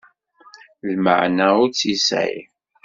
Lmeɛna ur tt-yesɛi.